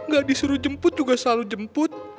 gak disuruh jemput juga selalu jemput